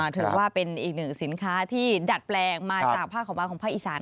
ถือว่าเป็นอีกหนึ่งสินค้าที่ดัดแปลงมาจากผ้าขาวม้าของภาคอีสาน